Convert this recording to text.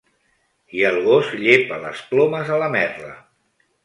I el gos llepa les plomes a la merla.